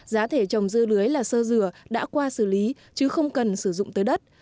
giá thể trồng dưa lưới là sơ dừa đã qua xử lý chứ không cần sử dụng tới đất